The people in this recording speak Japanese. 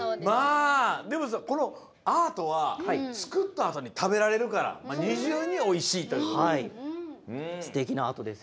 でもさこのアートはつくったあとにたべられるからにじゅうにおいしいということで。